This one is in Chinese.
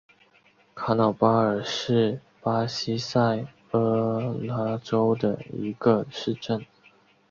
卡瑙巴尔是巴西塞阿拉州的一个市镇。